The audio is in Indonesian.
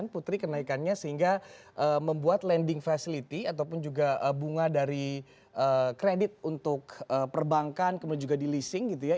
putri kenaikannya sehingga membuat lending facility ataupun juga bunga dari kredit untuk perbankan kemudian juga di leasing gitu ya